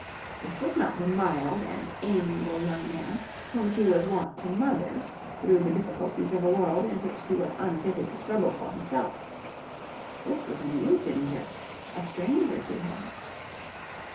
This was not the mild and amiable young man whom she was wont to mother through the difficulties of a world in which he was unfitted to struggle for himself. This was a new Ginger, a stranger to her.